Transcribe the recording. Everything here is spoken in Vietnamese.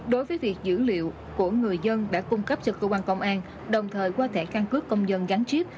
đối với việc dữ liệu của người dân đã cung cấp cho cơ quan công an đồng thời qua thẻ căn cước công dân gắn chip